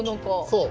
そう。